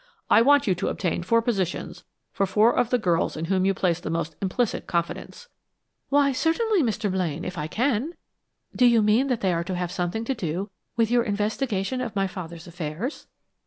I want you to obtain four positions for four of the girls in whom you place the most implicit confidence." "Why, certainly, Mr. Blaine, if I can. Do you mean that they are to have something to do with your investigation into my father's affairs?"